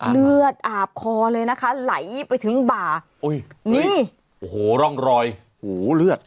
เลือดอาบคอเลยนะคะไหลไปถึงบ่าอุ้ยนี่โอ้โหร่องรอยหูเลือด